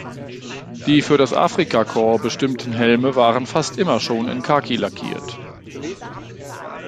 Die für die Afrikakorps bestimmten Helme waren fast immer schon in Khaki lackiert.